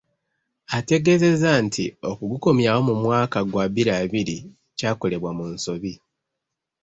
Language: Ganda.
Ategeezezza nti okugukomyawo mu mwaka gwa bbiri abiri kyakolebwa mu nsobi.